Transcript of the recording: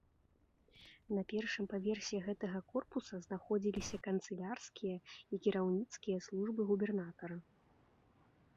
На першым паверсе гэтага корпуса знаходзіліся канцылярскія і кіраўніцкія службы губернатара.